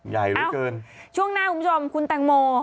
ใหญ่เหลือเกินช่วงหน้าคุณผู้ชมคุณแตงโม